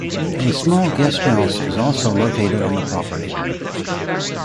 A small guest house is also located on the property.